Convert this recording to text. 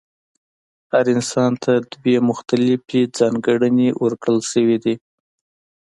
هر انسان ته دوه مختلفې ځانګړنې ورکړل شوې دي.